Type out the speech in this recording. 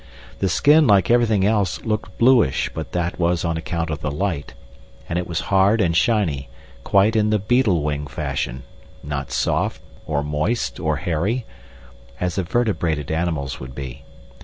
The skin, like everything else, looked bluish, but that was on account of the light; and it was hard and shiny, quite in the beetle wing fashion, not soft, or moist, or hairy, as a vertebrated animal's would be.